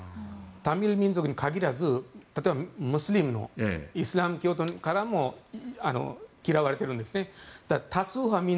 タミル民族に限らず、例えばムスリムのイスラム教からも嫌われてるんですね。